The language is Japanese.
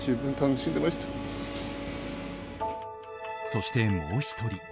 そして、もう１人。